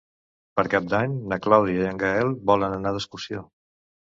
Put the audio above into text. Per Cap d'Any na Clàudia i en Gaël volen anar d'excursió.